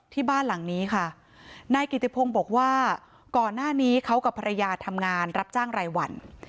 ที่บ้านหลังนี้ค่ะนายกิติพงศ์บอกว่าก่อนหน้านี้เขากับภรรยาทำงานรับจ้างรายวัน